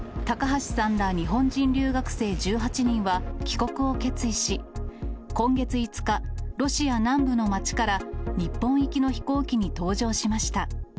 高橋さんら日本人留学生１８人は帰国を決意し、今月５日、ロシア南部の町から日本行きの飛行機に搭乗しました。